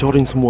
aduh mama e